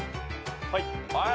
はい。